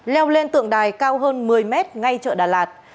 leo lên tượng đài cao hơn một mươi mét ngay chợ đà lạt